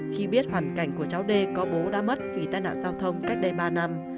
khi biết hoàn cảnh của cháu đê có bố đã mất vì tai nạn giao thông cách đây ba năm